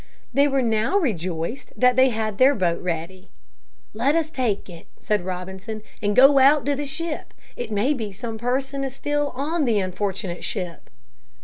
They were now rejoiced that they had their boat ready. "Let us take it," said Robinson "and go out to the ship. It may be some person is still on the unfortunate ship."